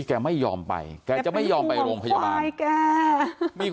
แกไม่ยอมไปแกจะไม่ยอมไปโรงพยาบาลใช่แกมี